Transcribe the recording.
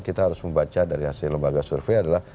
kita harus membaca dari hasil lembaga survei adalah